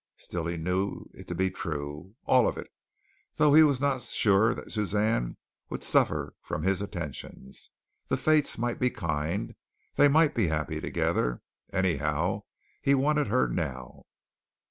Still he knew it to be true, all of it, though he was not sure that Suzanne would suffer from his attentions. The fates might be kind. They might be happy together. Anyhow, he wanted her now.